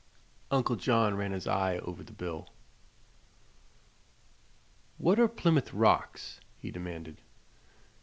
Uncle John ran his eye over the bill. "What are Plymouth Rocks?" he demanded.